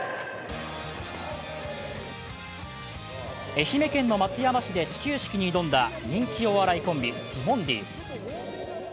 愛媛県の松山市で始球式に挑んだ人気お笑いコンビ・ティモンディ。